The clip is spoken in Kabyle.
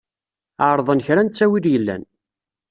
Ɛerḍen kra n ttawil yellan.